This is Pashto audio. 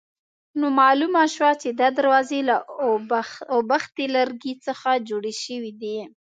نو معلومه شوه چې دا دروازې له اوبښتي لرګي څخه جوړې شوې دي.